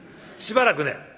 しばらくね